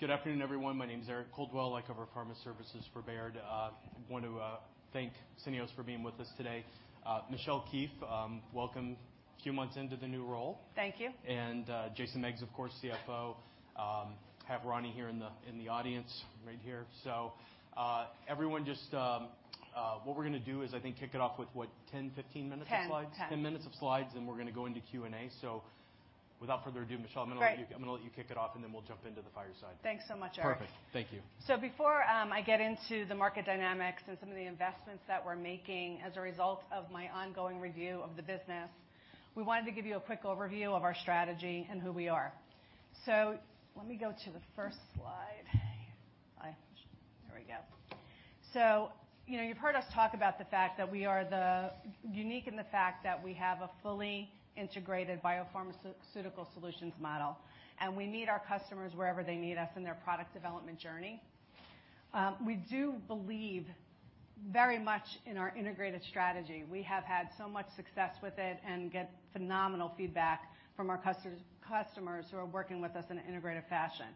Good afternoon, everyone. My name is Eric Coldwell. I cover pharma services for Baird. I want to thank Syneos for being with us today. Michelle Keefe, welcome, a few months into the new role. Thank you. Jason Meggs, of course, CFO. Have Ronnie here in the audience right here. Everyone just, what we're gonna do is, I think, kick it off with what, 10, 15 minutes of slides? 10. Ten minutes of slides, and we're gonna go into Q&A. Without further ado, Michelle- Great. I'm gonna let you kick it off, and then we'll jump into the fireside. Thanks so much, Eric. Perfect. Thank you. Before, I get into the market dynamics and some of the investments that we're making as a result of my ongoing review of the business, we wanted to give you a quick overview of our strategy and who we are. Let me go to the first slide. There we go. You know, you've heard us talk about the fact that we are unique in the fact that we have a fully integrated biopharmaceutical solutions model, and we meet our customers wherever they need us in their product development journey. We do believe very much in our integrated strategy. We have had so much success with it and get phenomenal feedback from our customers who are working with us in an integrated fashion.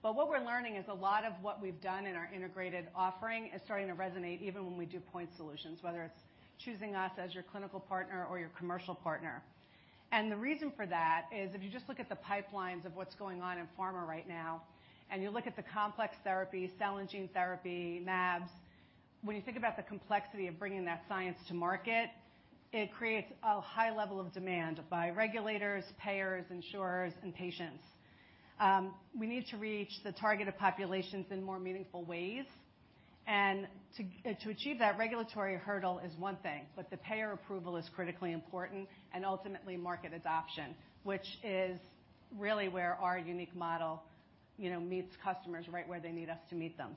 What we're learning is a lot of what we've done in our integrated offering is starting to resonate, even when we do point solutions, whether it's choosing us as your clinical partner or your commercial partner. The reason for that is if you just look at the pipelines of what's going on in pharma right now, and you look at the complex therapy, cell and gene therapy, mAbs, when you think about the complexity of bringing that science to market, it creates a high level of demand by regulators, payers, insurers, and patients. We need to reach the targeted populations in more meaningful ways. To achieve that regulatory hurdle is one thing, but the payer approval is critically important and ultimately market adoption, which is really where our unique model, you know, meets customers right where they need us to meet them.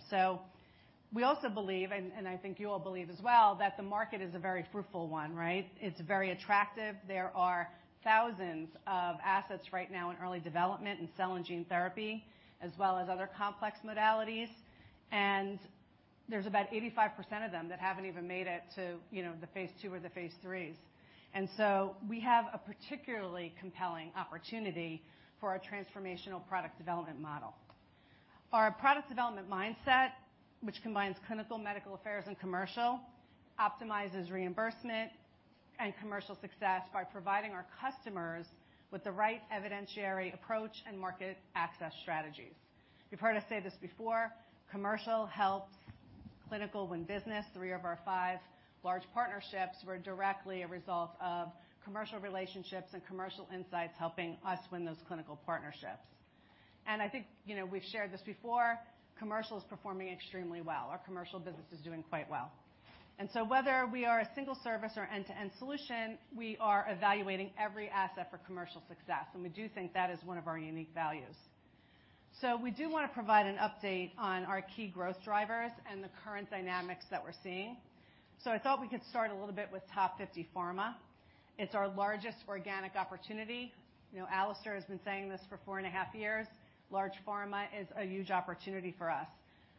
We also believe, and I think you all believe as well, that the market is a very fruitful one, right? It's very attractive. There are thousands of assets right now in early development in cell and gene therapy, as well as other complex modalities. There's about 85% of them that haven't even made it to, you know, the phase II or the phase IIIs. We have a particularly compelling opportunity for our transformational product development model. Our product development mindset, which combines clinical, medical affairs, and commercial, optimizes reimbursement and commercial success by providing our customers with the right evidentiary approach and market access strategies. You've heard us say this before, commercial helps clinical win business. Three of our five large partnerships were directly a result of commercial relationships and commercial insights helping us win those clinical partnerships. I think, you know, we've shared this before, commercial is performing extremely well. Our commercial business is doing quite well. Whether we are a single service or end-to-end solution, we are evaluating every asset for commercial success, and we do think that is one of our unique values. We do wanna provide an update on our key growth drivers and the current dynamics that we're seeing. I thought we could start a little bit with Top 50 Pharma. It's our largest organic opportunity. You know, Alistair has been saying this for 4.5 years. Large pharma is a huge opportunity for us.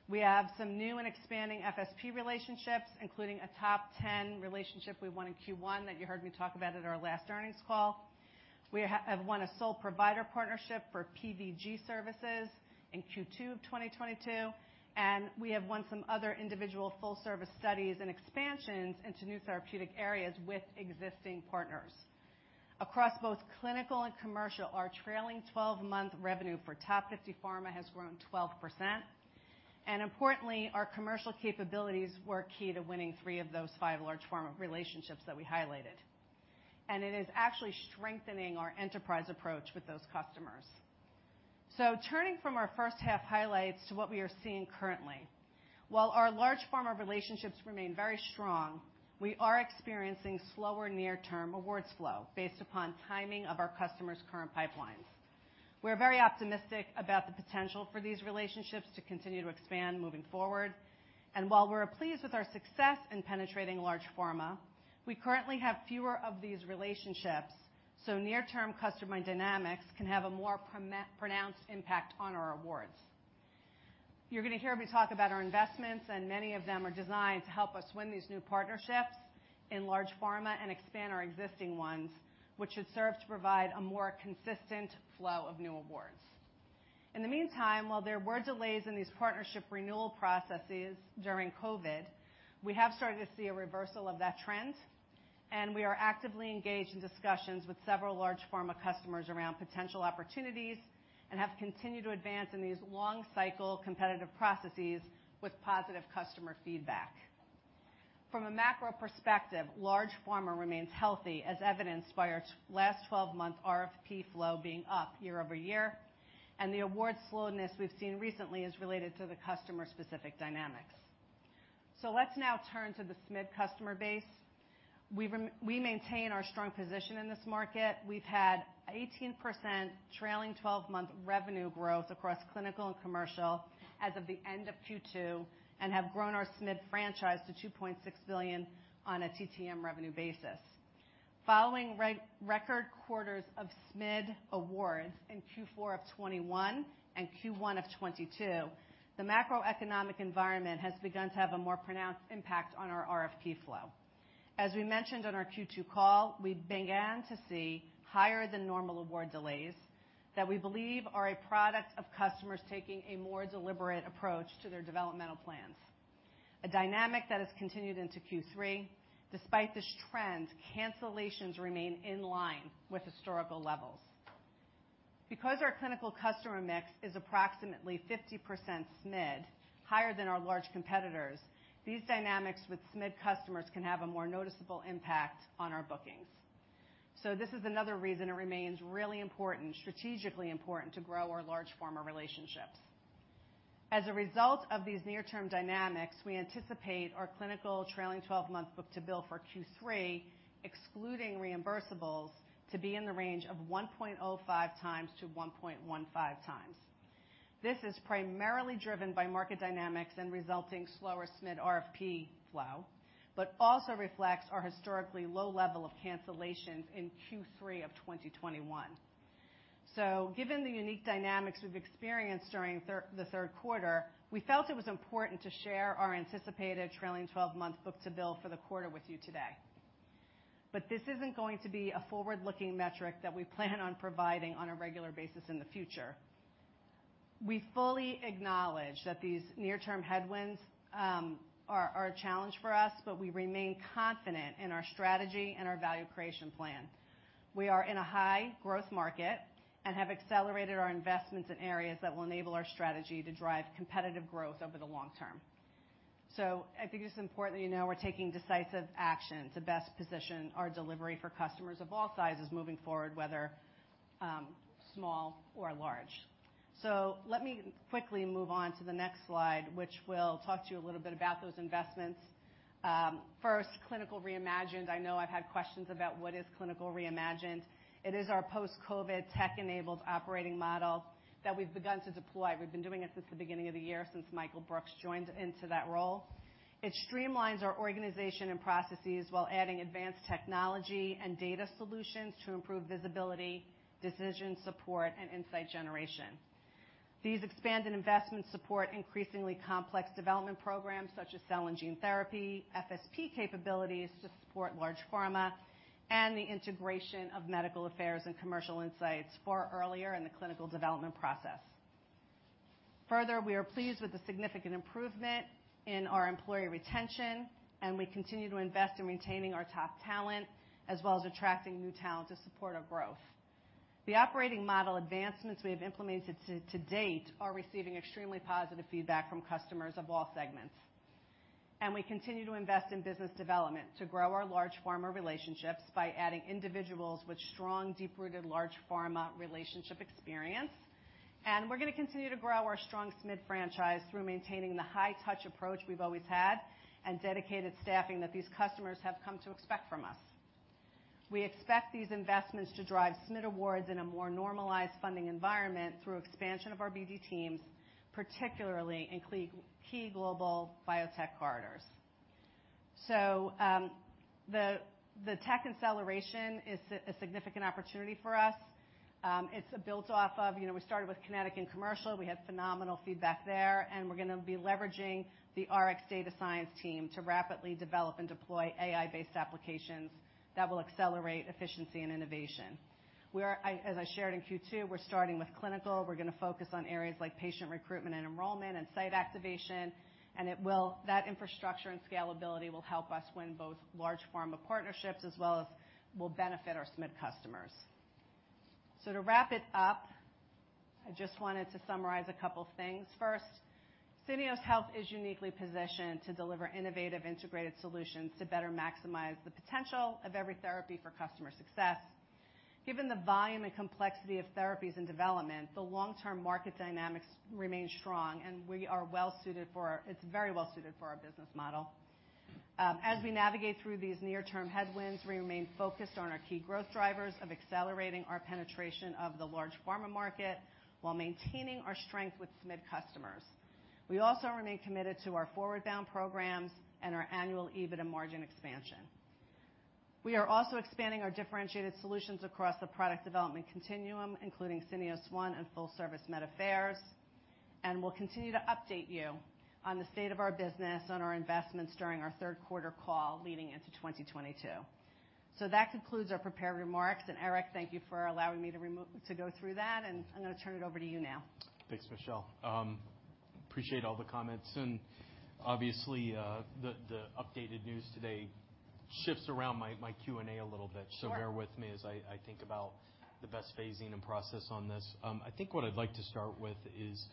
We have some new and expanding FSP relationships, including a top 10 relationship we won in Q1 that you heard me talk about at our last earnings call. We have won a sole provider partnership for PVG services in Q2 of 2022, and we have won some other individual full service studies and expansions into new therapeutic areas with existing partners. Across both clinical and commercial, our trailing 12-month revenue for Top 50 Pharma has grown 12%. Importantly, our commercial capabilities were key to winning three of those five large pharma relationships that we highlighted. It is actually strengthening our enterprise approach with those customers. Turning from our first half highlights to what we are seeing currently. While our large pharma relationships remain very strong, we are experiencing slower near-term awards flow based upon timing of our customers' current pipelines. We're very optimistic about the potential for these relationships to continue to expand moving forward. While we're pleased with our success in penetrating large pharma, we currently have fewer of these relationships, so near-term customer dynamics can have a more pronounced impact on our awards. You're gonna hear me talk about our investments, and many of them are designed to help us win these new partnerships in large pharma and expand our existing ones, which should serve to provide a more consistent flow of new awards. In the meantime, while there were delays in these partnership renewal processes during COVID, we have started to see a reversal of that trend, and we are actively engaged in discussions with several large pharma customers around potential opportunities and have continued to advance in these long cycle competitive processes with positive customer feedback. From a macro perspective, large pharma remains healthy, as evidenced by our trailing twelve-month RFP flow being up year-over-year, and the award slowness we've seen recently is related to the customer-specific dynamics. Let's now turn to the SMID customer base. We maintain our strong position in this market. We've had 18% trailing twelve-month revenue growth across clinical and commercial as of the end of Q2 and have grown our SMID franchise to $2.6 billion on a TTM revenue basis. Following record quarters of SMID awards in Q4 of 2021 and Q1 of 2022, the macroeconomic environment has begun to have a more pronounced impact on our RFP flow. As we mentioned on our Q2 call, we began to see higher than normal award delays that we believe are a product of customers taking a more deliberate approach to their developmental plans, a dynamic that has continued into Q3. Despite this trend, cancellations remain in line with historical levels. Because our clinical customer mix is approximately 50% SMID, higher than our large competitors, these dynamics with SMID customers can have a more noticeable impact on our bookings. This is another reason it remains really important, strategically important to grow our large pharma relationships. As a result of these near-term dynamics, we anticipate our clinical trailing twelve-month book-to-bill for Q3, excluding reimbursables, to be in the range of 1.05x to 1.15x. This is primarily driven by market dynamics and resulting slower SMID RFP flow, but also reflects our historically low level of cancellations in Q3 of 2021. Given the unique dynamics we've experienced during the third quarter, we felt it was important to share our anticipated trailing twelve-month book-to-bill for the quarter with you today. This isn't going to be a forward-looking metric that we plan on providing on a regular basis in the future. We fully acknowledge that these near-term headwinds are a challenge for us, but we remain confident in our strategy and our value creation plan. We are in a high-growth market and have accelerated our investments in areas that will enable our strategy to drive competitive growth over the long term. I think it's important that you know we're taking decisive action to best position our delivery for customers of all sizes moving forward, whether small or large. Let me quickly move on to the next slide, which will talk to you a little bit about those investments. First, Clinical Reimagined. I know I've had questions about what is Clinical Reimagined? It is our post-COVID tech-enabled operating model that we've begun to deploy. We've been doing it since the beginning of the year, since Michael Brooks joined into that role. It streamlines our organization and processes while adding advanced technology and data solutions to improve visibility, decision support, and insight generation. These expanded investments support increasingly complex development programs such as cell and gene therapy, FSP capabilities to support large pharma, and the integration of medical affairs and commercial insights far earlier in the clinical development process. Further, we are pleased with the significant improvement in our employee retention, and we continue to invest in retaining our top talent, as well as attracting new talent to support our growth. The operating model advancements we have implemented to date are receiving extremely positive feedback from customers of all segments. We continue to invest in business development to grow our large pharma relationships by adding individuals with strong, deep-rooted large pharma relationship experience. We're gonna continue to grow our strong SMID franchise through maintaining the high-touch approach we've always had and dedicated staffing that these customers have come to expect from us. We expect these investments to drive SMID awards in a more normalized funding environment through expansion of our BD teams, particularly in key global biotech corridors. The tech acceleration is a significant opportunity for us. It's built off of, you know, we started with Kinetic and commercial. We had phenomenal feedback there, and we're gonna be leveraging the RxDataScience team to rapidly develop and deploy AI-based applications that will accelerate efficiency and innovation. I, as I shared in Q2, we're starting with clinical. We're gonna focus on areas like patient recruitment and enrollment and site activation, and that infrastructure and scalability will help us win both large pharma partnerships as well as will benefit our SMID customers. To wrap it up, I just wanted to summarize a couple things. First, Syneos Health is uniquely positioned to deliver innovative, integrated solutions to better maximize the potential of every therapy for customer success. Given the volume and complexity of therapies in development, the long-term market dynamics remain strong, and it's very well suited for our business model. As we navigate through these near-term headwinds, we remain focused on our key growth drivers of accelerating our penetration of the large pharma market while maintaining our strength with SMID customers. We also remain committed to our ForwardBound programs and our annual EBITDA margin expansion. We are also expanding our differentiated solutions across the product development continuum, including Syneos One and full service Medical Affairs. We'll continue to update you on the state of our business, on our investments during our third quarter call leading into 2022. That concludes our prepared remarks. Eric, thank you for allowing me to go through that, and I'm gonna turn it over to you now. Thanks, Michelle. Appreciate all the comments. Obviously, the updated news today shifts around my Q&A a little bit. Sure. Bear with me as I think about the best phasing and process on this. I think what I'd like to start with is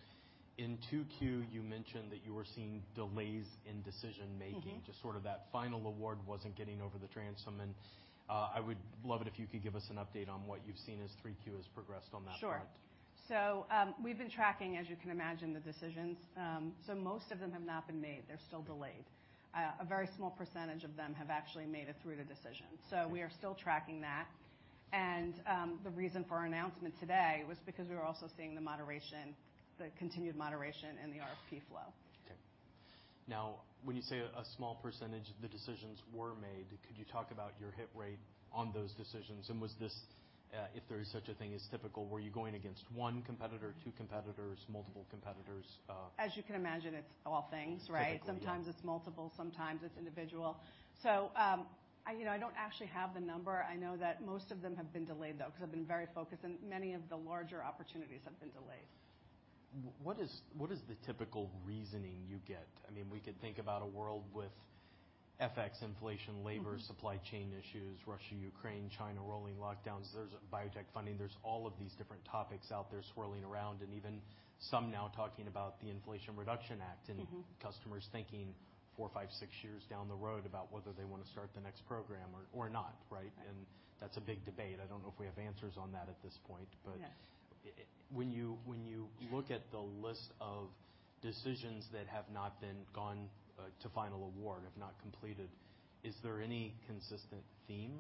in 2Q, you mentioned that you were seeing delays in decision-making. Mm-hmm. Just sort of that final award wasn't getting over the transom. I would love it if you could give us an update on what you've seen as 3Q has progressed on that front. Sure. We've been tracking, as you can imagine, the decisions. Most of them have not been made. They're still delayed. A very small percentage of them have actually made it through the decision. We are still tracking that. The reason for our announcement today was because we were also seeing the continued moderation in the RFP flow. Okay. Now, when you say a small percentage of the decisions were made, could you talk about your hit rate on those decisions? Was this, if there is such a thing as typical, were you going against one competitor, two competitors, multiple competitors? As you can imagine, it's all things, right? Typical, yeah. Sometimes it's multiple, sometimes it's individual. I, you know, I don't actually have the number. I know that most of them have been delayed, though, because I've been very focused, and many of the larger opportunities have been delayed. What is the typical reasoning you get? I mean, we could think about a world with FX inflation, labor, supply chain issues, Russia, Ukraine, China rolling lockdowns. There's biotech funding. There's all of these different topics out there swirling around, and even some now talking about the Inflation Reduction Act. Mm-hmm. customers thinking 4, 5, 6 years down the road about whether they wanna start the next program or not, right? Right. That's a big debate. I don't know if we have answers on that at this point. Yes. When you look at the list of decisions that have not been gone to final award, have not completed, is there any consistent theme?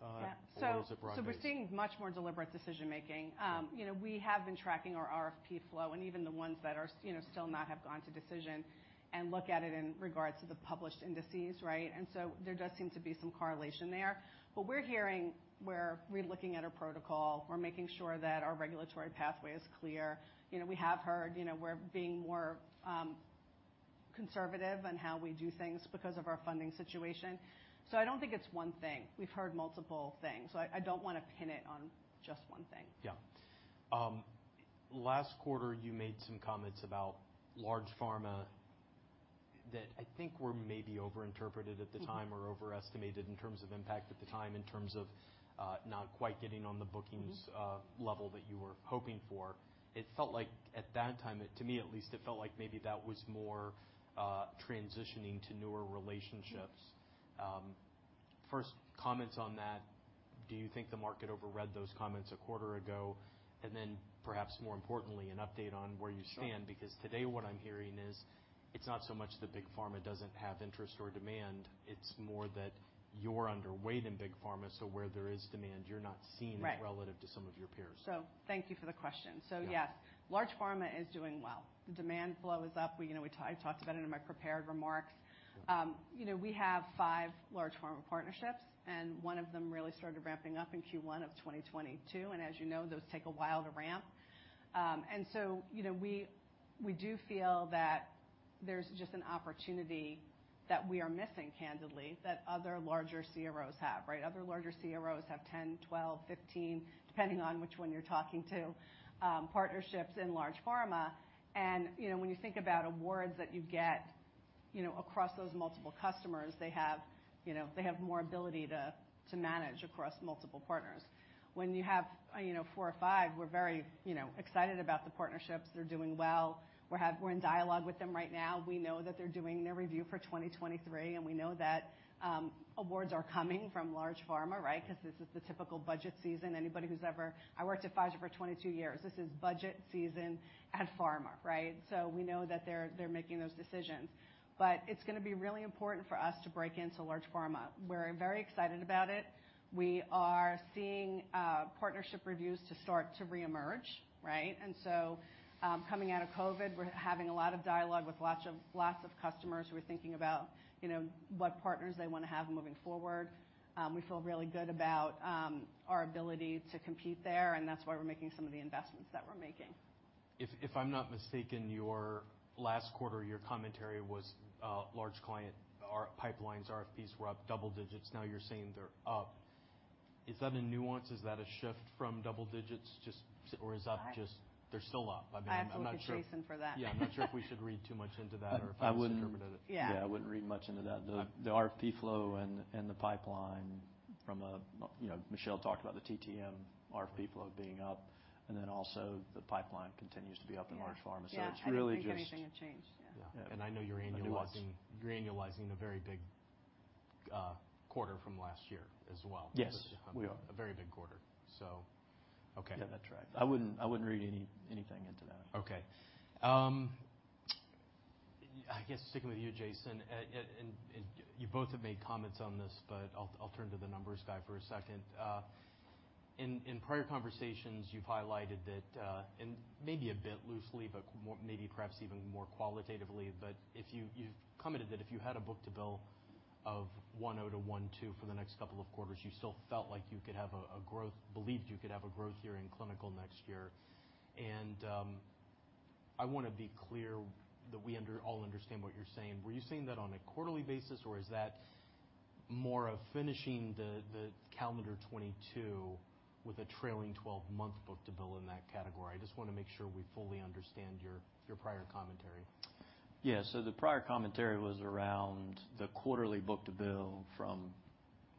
Yeah. Is it broad-based? We're seeing much more deliberate decision-making. You know, we have been tracking our RFP flow and even the ones that are, you know, still not have gone to decision and look at it in regards to the published indices, right? There does seem to be some correlation there. We're hearing we're re-looking at our protocol. We're making sure that our regulatory pathway is clear. You know, we have heard, you know, we're being more conservative in how we do things because of our funding situation. I don't think it's one thing. We've heard multiple things. I don't wanna pin it on just one thing. Yeah. Last quarter you made some comments about large pharma that I think were maybe overinterpreted at the time or overestimated in terms of impact at the time in terms of not quite getting on the bookings. Mm-hmm. level that you were hoping for. It felt like at that time, to me at least, it felt like maybe that was more, transitioning to newer relationships. Mm-hmm. First, comments on that. Do you think the market overread those comments a quarter ago? Then perhaps more importantly, an update on where you stand. Sure. Because today what I'm hearing is it's not so much that Big Pharma doesn't have interest or demand, it's more that you're underweight in Big Pharma. Where there is demand, you're not seen. Right. as relative to some of your peers. Thank you for the question. Yeah. Yes, large pharma is doing well. The demand flow is up. I talked about it in my prepared remarks. We have five large pharma partnerships, and one of them really started ramping up in Q1 of 2022. As you know, those take a while to ramp. We do feel that there's just an opportunity that we are missing, candidly, that other larger CROs have, right? Other larger CROs have 10, 12, 15, depending on which one you're talking to, partnerships in large pharma. When you think about awards that you get across those multiple customers, they have more ability to manage across multiple partners. When you have four or five, we're very excited about the partnerships. They're doing well. We're in dialogue with them right now. We know that they're doing their review for 2023, and we know that awards are coming from large pharma, right? 'Cause this is the typical budget season. I worked at Pfizer for 22 years. This is budget season at pharma, right? We know that they're making those decisions. It's gonna be really important for us to break into large pharma. We're very excited about it. We are seeing partnership reviews to start to reemerge, right? Coming out of COVID, we're having a lot of dialogue with lots of customers who are thinking about, you know, what partners they wanna have moving forward. We feel really good about our ability to compete there, and that's why we're making some of the investments that we're making. If I'm not mistaken, your last quarter, your commentary was large client or pipelines, RFPs were up double digits. Now you're saying they're up. Is that a nuance? Is that a shift from double digits just or is that just? I- They're still up. I mean, I'm not sure. I have to look to Jason for that. Yeah, I'm not sure if we should read too much into that or if that's interpreted. Yeah. Yeah, I wouldn't read much into that. The RFP flow and the pipeline. You know, Michelle talked about the TTM RFP flow being up, and then also the pipeline continues to be up in large pharma. Yeah. It's really just. Yeah, I don't think anything has changed. Yeah. Yeah. I know you're annualizing. But it was- You're annualizing a very big quarter from last year as well. Yes, we are. A very big quarter. Okay. Yeah, that's right. I wouldn't read anything into that. Okay. I guess sticking with you, Jason, and you both have made comments on this, but I'll turn to the numbers guy for a second. In prior conversations, you've highlighted that, and maybe a bit loosely, but maybe perhaps even more qualitatively. You've commented that if you had a book-to-bill of 1.0-1.2 for the next couple of quarters, you still felt like you could have a growth year in clinical next year. I wanna be clear that we all understand what you're saying. Were you saying that on a quarterly basis, or is that more of finishing the calendar 2022 with a trailing twelve-month book-to-bill in that category? I just wanna make sure we fully understand your prior commentary. Yeah. The prior commentary was around the quarterly book-to-bill from,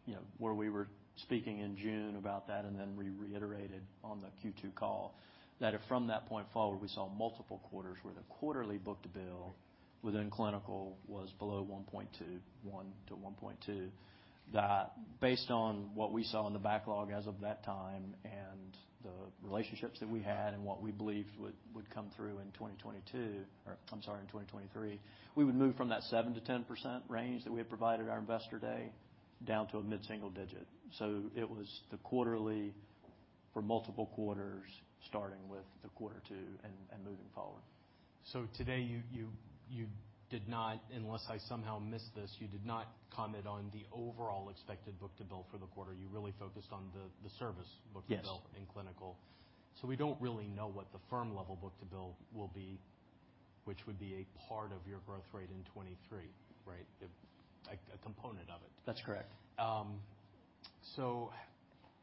you know, where we were speaking in June about that, and then we reiterated on the Q2 call that from that point forward, we saw multiple quarters where the quarterly book-to-bill within clinical was below 1.2, 1 to 1.2. That, based on what we saw in the backlog as of that time and the relationships that we had and what we believed would come through in 2022, or I'm sorry, in 2023, we would move from that 7%-10% range that we had provided our Investor Day down to a mid-single digit. For multiple quarters, starting with the quarter two and moving forward. Today, unless I somehow missed this, you did not comment on the overall expected book-to-bill for the quarter. You really focused on the service book-to-bill. Yes in clinical. We don't really know what the firm-level book-to-bill will be, which would be a part of your growth rate in 2023, right? A component of it. That's correct.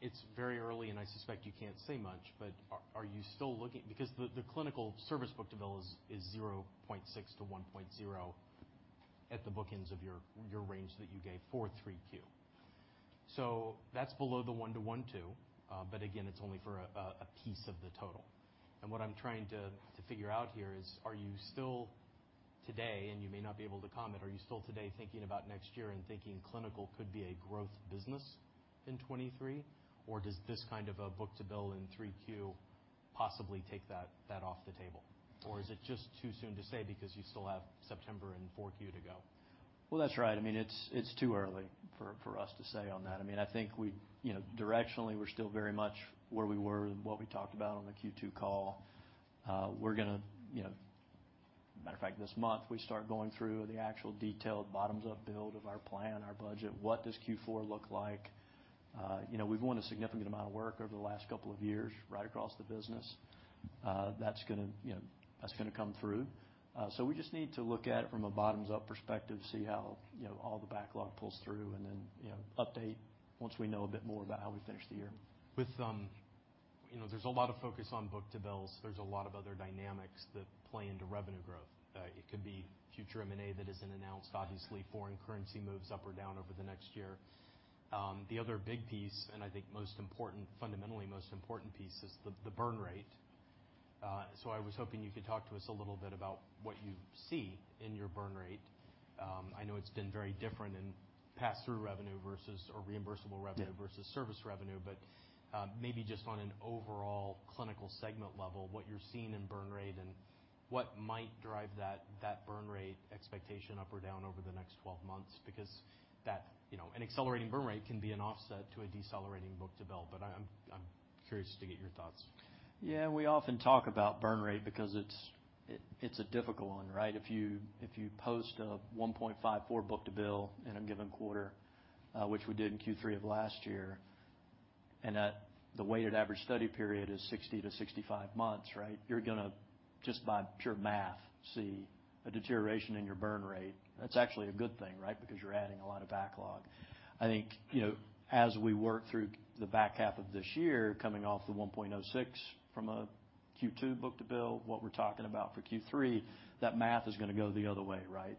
It's very early, and I suspect you can't say much, but are you still looking? Because the clinical service book-to-bill is 0.6-1.0 at the bookends of your range that you gave for 3Q. That's below the 1-to-1.2, but again, it's only for a piece of the total. What I'm trying to figure out here is, are you still today, and you may not be able to comment, are you still today thinking about next year and thinking clinical could be a growth business in 2023? Or does this kind of a book-to-bill in 3Q possibly take that off the table? Or is it just too soon to say because you still have September and 4Q to go? Well, that's right. I mean, it's too early for us to say on that. I mean, I think we, you know, directionally we're still very much where we were and what we talked about on the Q2 call. We're gonna, you know, matter of fact, this month we start going through the actual detailed bottoms-up build of our plan, our budget. What does Q4 look like? You know, we've won a significant amount of work over the last couple of years, right across the business. That's gonna, you know, come through. We just need to look at it from a bottoms-up perspective, see how, you know, all the backlog pulls through and then, you know, update once we know a bit more about how we finish the year. You know, there's a lot of focus on book-to-bills. There's a lot of other dynamics that play into revenue growth. It could be future M&A that isn't announced. Obviously, foreign currency moves up or down over the next year. The other big piece, and I think most important, fundamentally most important piece is the burn rate. I was hoping you could talk to us a little bit about what you see in your burn rate. I know it's been very different in pass-through revenue versus or reimbursable revenue. Yeah versus service revenue, but maybe just on an overall clinical segment level, what you're seeing in burn rate and what might drive that burn rate expectation up or down over the next 12 months. Because that, you know, an accelerating burn rate can be an offset to a decelerating book-to-bill. I'm curious to get your thoughts. Yeah, we often talk about burn rate because it's a difficult one, right? If you post a 1.54 book-to-bill in a given quarter, which we did in Q3 of last year, and at the weighted average study period is 60-65 months, right? You're gonna just by pure math see a deterioration in your burn rate. That's actually a good thing, right? Because you're adding a lot of backlog. I think, you know, as we work through the back half of this year, coming off the 1.06 from a Q2 book-to-bill, what we're talking about for Q3, that math is gonna go the other way, right?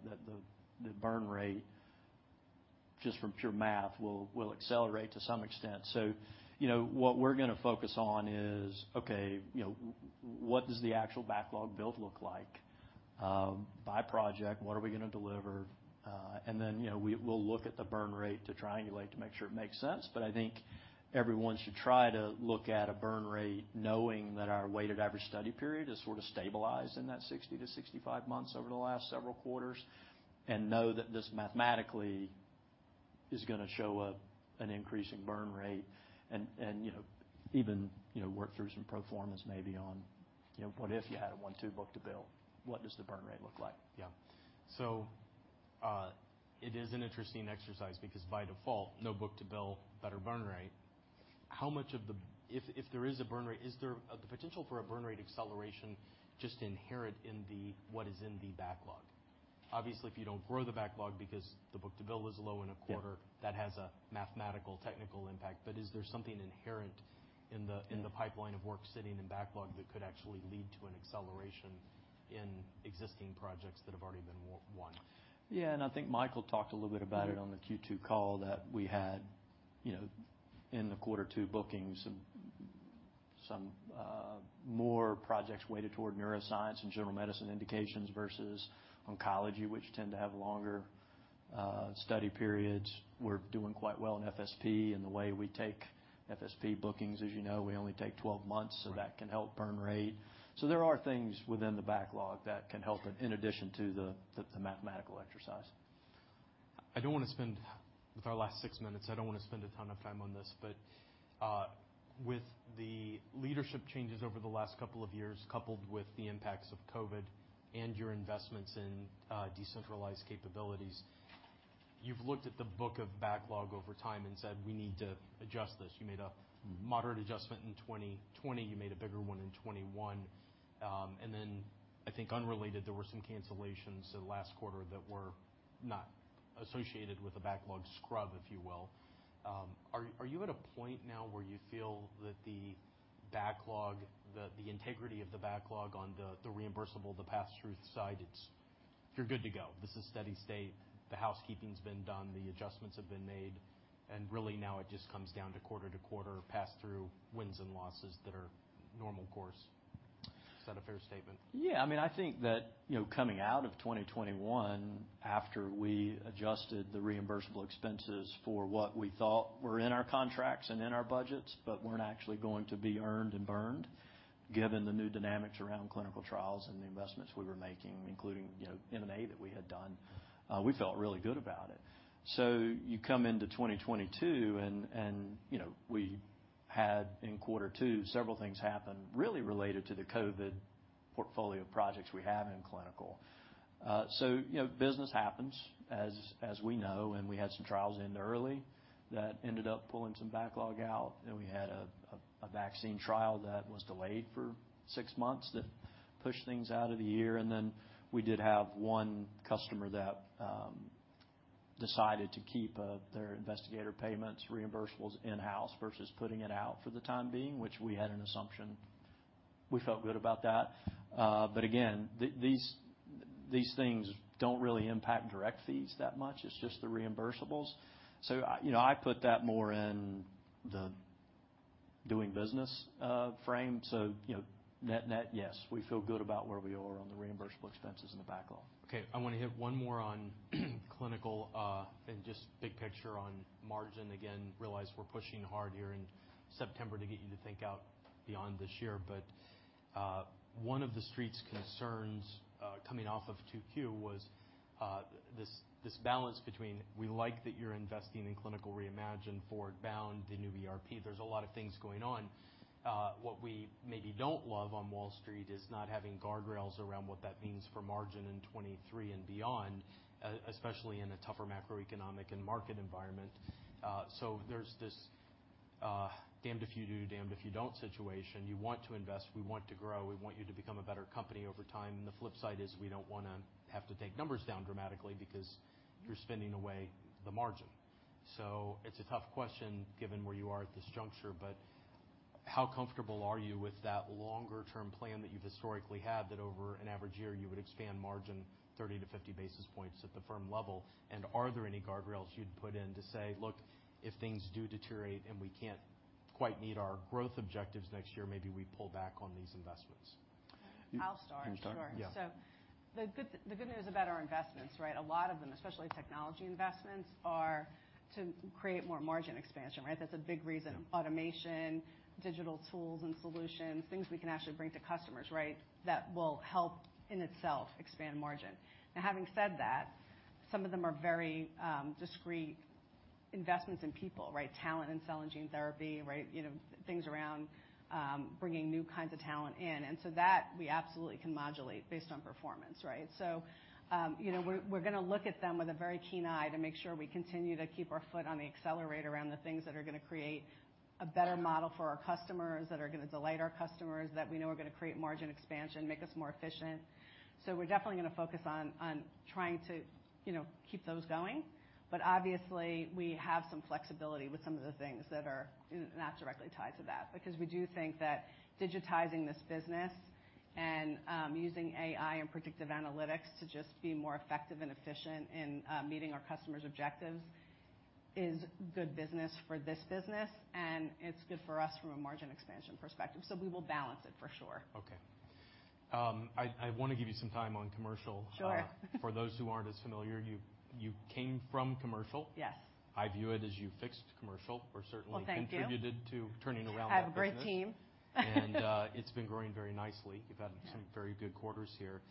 The burn rate, just from pure math, will accelerate to some extent. You know, what we're gonna focus on is, okay, you know, what does the actual backlog build look like by project? What are we gonna deliver? You know, we'll look at the burn rate to triangulate to make sure it makes sense. I think everyone should try to look at a burn rate knowing that our weighted average study period is sort of stabilized in that 60-65 months over the last several quarters, and know that this mathematically is gonna show an increase in burn rate and, you know, even work through some pro formas maybe on, you know, what if you had a 1.2 book-to-bill, what does the burn rate look like? It is an interesting exercise because by default, no book-to-bill, better burn rate. If there is a burn rate, is there the potential for a burn rate acceleration just inherent in what is in the backlog? Obviously, if you don't grow the backlog because the book-to-bill is low in a quarter- Yeah -that has a mathematical technical impact. Is there something inherent in the- Yeah in the pipeline of work sitting in backlog that could actually lead to an acceleration in existing projects that have already been won? I think Michael talked a little bit about it on the Q2 call that we had, you know, in the quarter two bookings, some more projects weighted toward neuroscience and general medicine indications versus oncology, which tend to have longer study periods. We're doing quite well in FSP and the way we take FSP bookings. As you know, we only take 12 months, so that can help burn rate. There are things within the backlog that can help in addition to the mathematical exercise. With our last 6 minutes, I don't want to spend a ton of time on this, but with the leadership changes over the last couple of years, coupled with the impacts of COVID and your investments in decentralized capabilities, you've looked at the book of backlog over time and said, "We need to adjust this." You made a moderate adjustment in 2020. You made a bigger one in 2021. Then I think unrelated, there were some cancellations last quarter that were not associated with a backlog scrub, if you will. Are you at a point now where you feel that the backlog, the integrity of the backlog on the reimbursable, the pass-through side, it's you're good to go. This is steady state. The housekeeping's been done, the adjustments have been made, and really now it just comes down to quarter to quarter pass-through wins and losses that are normal course. Is that a fair statement? Yeah. I mean, I think that, you know, coming out of 2021, after we adjusted the reimbursable expenses for what we thought were in our contracts and in our budgets, but weren't actually going to be earned and burned, given the new dynamics around clinical trials and the investments we were making, including, you know, M&A that we had done, we felt really good about it. You come into 2022 and, you know, we had, in quarter two, several things happen really related to the COVID portfolio projects we have in clinical. You know, business happens as we know, and we had some trials end early that ended up pulling some backlog out. We had a vaccine trial that was delayed for six months that pushed things out of the year. Then we did have one customer that decided to keep their investigator payments reimbursables in-house versus putting it out for the time being, which we had an assumption. We felt good about that. But again, these things don't really impact direct fees that much. It's just the reimbursables. So I, you know, I put that more in the doing business frame. So, you know, net-net, yes, we feel good about where we are on the reimbursable expenses in the backlog. Okay, I wanna hit one more on clinical, and just big picture on margin. Again, realize we're pushing hard here in September to get you to think out beyond this year. One of the Street's concerns coming off of 2Q was this balance between we like that you're investing in Clinical Reimagined, ForwardBound, the new ERP. There's a lot of things going on. What we maybe don't love on Wall Street is not having guardrails around what that means for margin in 2023 and beyond, especially in a tougher macroeconomic and market environment. There's this damned if you do, damned if you don't situation. You want to invest, we want to grow, we want you to become a better company over time. The flip side is we don't wanna have to take numbers down dramatically because you're spending away the margin. It's a tough question given where you are at this juncture, but how comfortable are you with that longer term plan that you've historically had that over an average year you would expand margin 30-50 basis points at the firm level? Are there any guardrails you'd put in to say, look, if things do deteriorate and we can't quite meet our growth objectives next year, maybe we pull back on these investments. I'll start. You start? Sure. Yeah. The good news about our investments, right? A lot of them, especially technology investments, are to create more margin expansion, right? That's a big reason. Automation, digital tools and solutions, things we can actually bring to customers, right? That will help in itself expand margin. Now having said that, some of them are very discreet investments in people, right? Talent in cell and gene therapy, right? You know, things around bringing new kinds of talent in, and so that we absolutely can modulate based on performance, right? You know, we're gonna look at them with a very keen eye to make sure we continue to keep our foot on the accelerator around the things that are gonna create a better model for our customers, that are gonna delight our customers, that we know are gonna create margin expansion, make us more efficient. We're definitely gonna focus on trying to, you know, keep those going. But obviously we have some flexibility with some of the things that are not directly tied to that, because we do think that digitizing this business and using AI and predictive analytics to just be more effective and efficient in meeting our customers' objectives is good business for this business, and it's good for us from a margin expansion perspective. We will balance it for sure. Okay. I want to give you some time on commercial. Sure. For those who aren't as familiar, you came from commercial. Yes. I view it as you fixed commercial. Well, thank you. Certainly contributed to turning around that business. I have a great team. It's been growing very nicely. You've had some very good quarters here.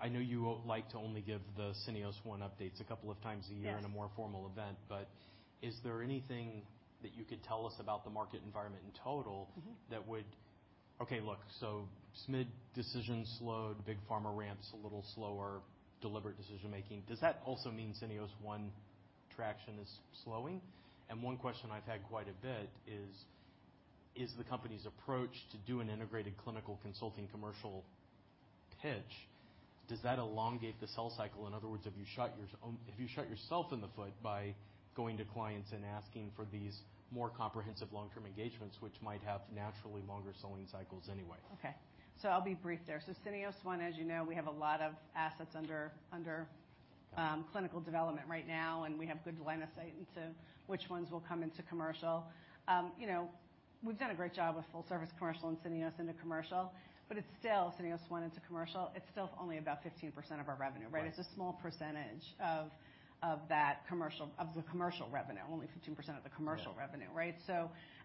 I know you like to only give the Syneos One updates a couple of times a year. Yes. In a more formal event. Is there anything that you could tell us about the market environment in total? Mm-hmm. Okay, look. SMID decisions slowed, Big Pharma ramps a little slower, deliberate decision-making. Does that also mean Syneos One traction is slowing? One question I've had quite a bit is the company's approach to do an integrated clinical consulting commercial pitch? Does that elongate the sales cycle? In other words, have you shot yourself in the foot by going to clients and asking for these more comprehensive long-term engagements, which might have naturally longer selling cycles anyway? Okay. I'll be brief there. Syneos One, as you know, we have a lot of assets under clinical development right now, and we have good line of sight into which ones will come into commercial. You know, we've done a great job with full service commercial and Syneos into commercial, but it's still Syneos One into commercial. It's still only about 15% of our revenue, right? Right. It's a small percentage of the commercial revenue. Only 15% of the commercial revenue. Yeah. Right?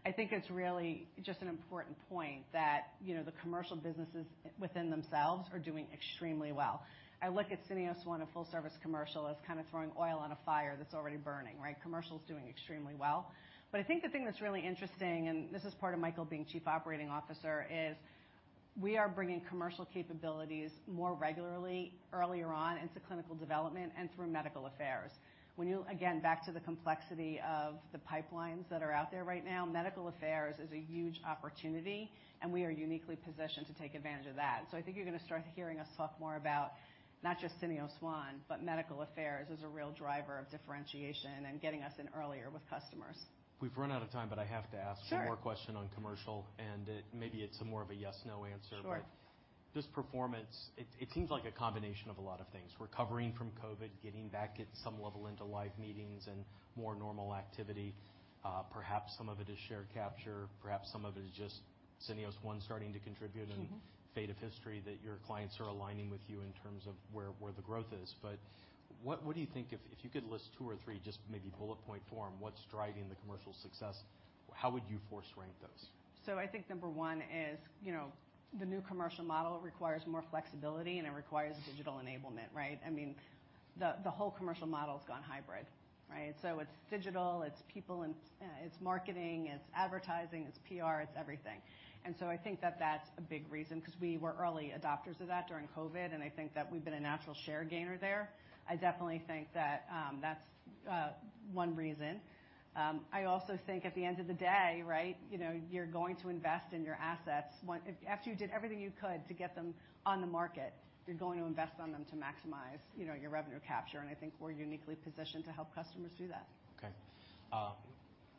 I think it's really just an important point that, you know, the commercial businesses within themselves are doing extremely well. I look at Syneos One, a full service commercial, as kind of throwing oil on a fire that's already burning, right? Commercial is doing extremely well. I think the thing that's really interesting, and this is part of Michael being Chief Operating Officer, is we are bringing commercial capabilities more regularly earlier on into clinical development and through Medical Affairs. Again, back to the complexity of the pipelines that are out there right now, Medical Affairs is a huge opportunity, and we are uniquely positioned to take advantage of that. I think you're gonna start hearing us talk more about not just Syneos One, but Medical Affairs as a real driver of differentiation and getting us in earlier with customers. We've run out of time, but I have to ask. Sure. One more question on commercial, and it maybe it's more of a yes/no answer. Sure. This performance, it seems like a combination of a lot of things. Recovering from COVID, getting back at some level into live meetings and more normal activity. Perhaps some of it is share capture, perhaps some of it is just Syneos One starting to contribute. Mm-hmm. Based on history that your clients are aligning with you in terms of where the growth is. What do you think? If you could list two or three, just maybe bullet point form, what's driving the commercial success, how would you force rank those? I think number one is, you know, the new commercial model requires more flexibility and it requires digital enablement, right? I mean, the whole commercial model has gone hybrid, right? It's digital, it's people and it's marketing, it's advertising, it's PR, it's everything. I think that that's a big reason, 'cause we were early adopters of that during COVID, and I think that we've been a natural share gainer there. I definitely think that that's one reason. I also think at the end of the day, right, you know, you're going to invest in your assets. After you did everything you could to get them on the market, you're going to invest in them to maximize, you know, your revenue capture, and I think we're uniquely positioned to help customers do that. Okay.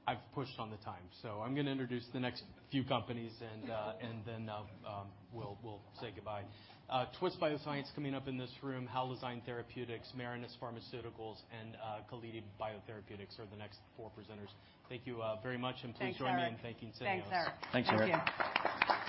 I've pushed on the time, so I'm gonna introduce the next few companies and then we'll say goodbye. Twist Bioscience coming up in this room, Halozyme Therapeutics, Marinus Pharmaceuticals, and Caladrius Biosciences are the next four presenters. Thank you very much. Thanks, Eric. Please join me in thanking Syneos. Thanks, Eric. Thanks, Eric. Thank you.